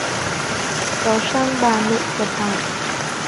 kéo sang bà nội của thảo